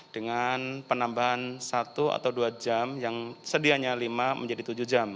dengan penambahan satu atau dua jam yang sedianya lima menjadi tujuh jam